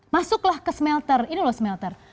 masuklah ke smelter ini loh smelter